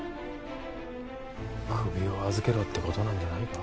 首を預けろって事なんじゃないか？